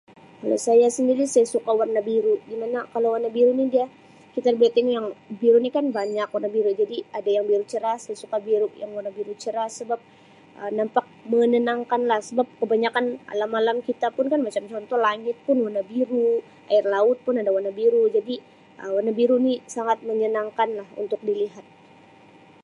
Kalau saya sendiri, saya suka warna biru di mana kalau warna biru ni dia keterbaikannya biru ni kan banyak warna biru jadi ada yang biru cerah, saya suka yang warna biru cerah sebab Um nampak menenangkan lah sebab kebanyakkan alam-alam kita pun kan macam contoh kan langit pun warna biru, air laut pun ada warna biru jadi Um warna biru ni sangat menyenangkan lah untuk dilihat.